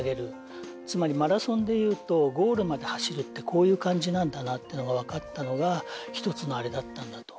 つまりマラソンでいうとゴールまで走るってこういう感じなんだなってのが分かったのが一つのあれだったんだと。